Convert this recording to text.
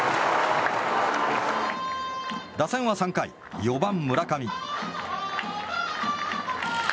打線は３回、４番、村上。